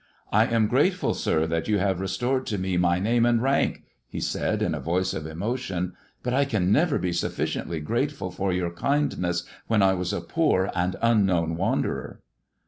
" I am grateful, sir, that you have restored to me my name and rank," he said, in a voice of emotion, " but I can never be sufficiently grateful for your kindness when I was a poor and unknown wanderer."